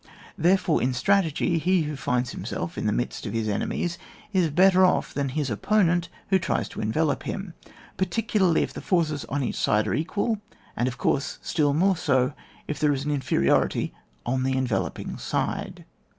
Therefore, in strategy, he who finds himself in the midst of his enemies, is better off than his opponent who tries to envelop him, particularly if the forces on each side are equal, and of course still more so if there is an inferiority on the enveloping side.